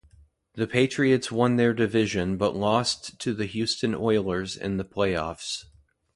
The Patriots won their division but lost to the Houston Oilers in the playoffs.